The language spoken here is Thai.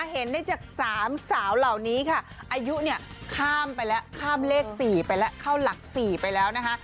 เห็นได้จาก๓สาวเหล่านี้ค่ะอายุเนี่ยข้ามไปแล้วข้ามเลข๔ไปแล้วเข้าหลัก๔ไปแล้วนะคะ